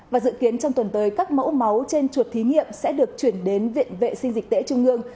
và dự kiến trong tuần tới các mẫu máu trên chuột thí nghiệm sẽ được chuyển đến viện vệ sinh dịch tễ trung ương